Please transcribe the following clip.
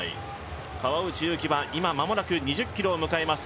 川内優輝は今、間もなく２０ｋｍを迎えます。